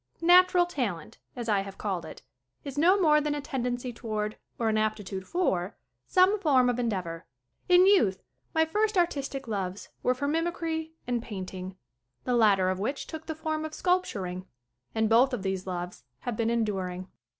Natural talent, as I have called it, is no more than a tendency toward, or an aptitude for, some form of endeavor. In youth my first artistic loves were for mimicry and painting the latter of which took the form of sculptur ing and both of these loves have been en during.